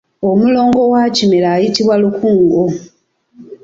Omulongo wa Kimera ayitibwa Lukungo.